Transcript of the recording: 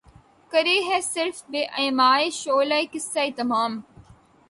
کرے ہے صِرف بہ ایمائے شعلہ قصہ تمام